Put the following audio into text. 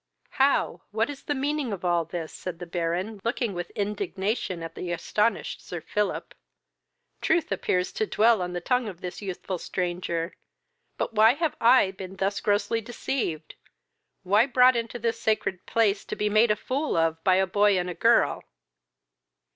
"How! what is the meaning of all this? (said the Baron, looking with indignation at the astonished Sir Philip;) truth appears to dwell on the tongue of this youthful stranger. But why have I been thus grossly deceived? why brought into this sacred place to be made a fool of by a boy and a girl?"